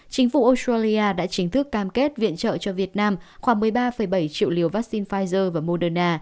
chính phủ australia đã chính thức cam kết viện trợ cho việt nam khoảng một mươi ba bảy triệu liều vaccine pfizer và moderna